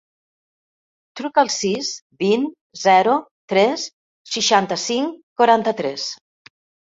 Truca al sis, vint, zero, tres, seixanta-cinc, quaranta-tres.